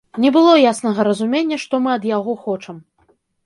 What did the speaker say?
Не было яснага разумення, што мы ад яго хочам.